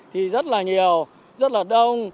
thì rất là nhiều rất là đông